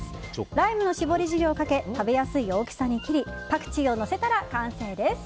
ライムの搾り汁をかけ食べやすい大きさに切りパクチーをのせたら完成です。